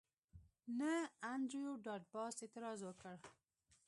نه انډریو ډاټ باس اعتراض وکړ